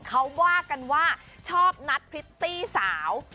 เขาว่ากันว่าชอบนัดพริตตี้สาว